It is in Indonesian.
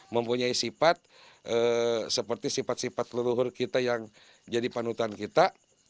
mempunyai sifat seperti sifat sifat leluhur kita yang jadi panutan kita